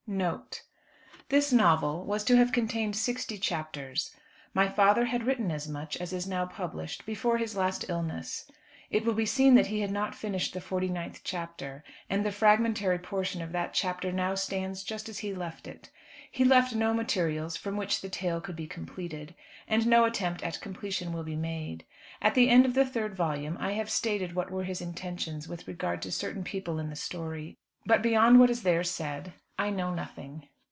NOTE. This novel was to have contained sixty chapters. My father had written as much as is now published before his last illness. It will be seen that he had not finished the forty ninth chapter; and the fragmentary portion of that chapter stands now just as he left it. He left no materials from which the tale could be completed, and no attempt at completion will be made. At the end of the third volume I have stated what were his intentions with regard to certain people in the story; but beyond what is there said I know nothing.